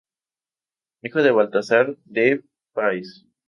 Hijo de Baltazar de Páez.